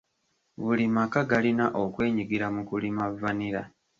Buli maka galina okwenyigira mu kulima vanilla.